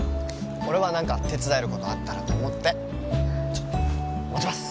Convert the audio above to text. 俺は何か手伝えることあったらと思って持ちます！